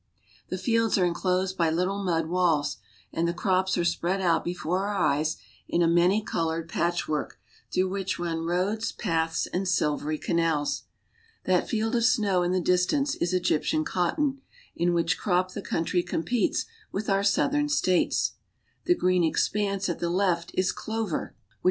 The fields are inclosed by little mud walls, and the crops are spread out before our eyes in a many colored patch work, through which run roads, paths, and silvery canals. That field of snow in the distance is Egyptian cotton, in which crop the country competes with our Southern States; the green expanse at the left is clover, which CARP.